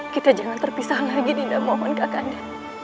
kita jangan terpisah lagi dinda mohon kak kanda